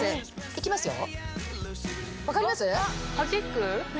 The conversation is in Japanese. いきますよ？